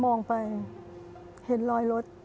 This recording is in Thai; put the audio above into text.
มองไปเห็นรอยรถ